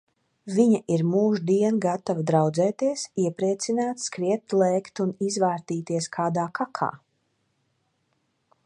Viņa ir mūždien gatava draudzēties, iepriecināt, skriet, lēkt un izvārtīties kādā kakā.